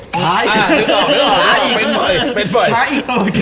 ช้าอีกช้าอีกช้าอีก